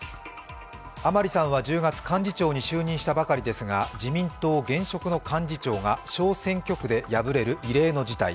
甘利さんは１０月、幹事長に就任したばかりですが、自民党現職の幹事長が小選挙区で敗れる異例の事態。